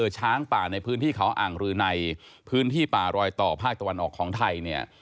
ช้างป่าในพื้นที่เขาอ่างรือในพื้นที่ป่ารอยต่อภาคตะวันออกของไทยเนี่ย